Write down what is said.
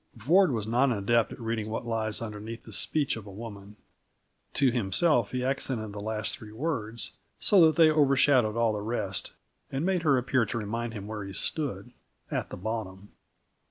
Ford was not an adept at reading what lies underneath the speech of a woman. To himself he accented the last three words, so that they overshadowed all the rest and made her appear to remind him where he stood at the bottom.